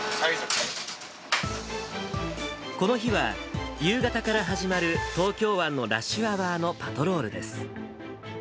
この日は、夕方から始まる東京湾のラッシュアワーのパトロールです。